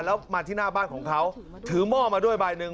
แล้วมาที่หน้าบ้านของเขาถือหม้อมาด้วยใบหนึ่ง